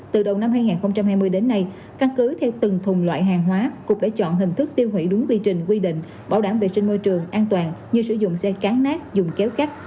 từ đầu năm hai nghìn hai mươi đến nay căn cứ theo từng thùng loại hàng hóa cục đã chọn hình thức tiêu hủy đúng quy trình quy định bảo đảm vệ sinh môi trường an toàn như sử dụng xe cán nát dùng kéo cắt